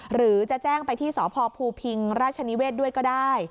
หรือจะแจ้งไปที่สพภูพิงราชนิเวศด้วยก็ได้